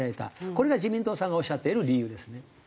これが自民党さんがおっしゃっている理由ですね。